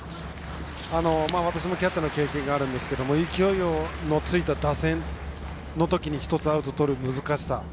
私もキャッチャーの経験があるんですけど勢いのついた打線のときに１つアウトをとる難しさ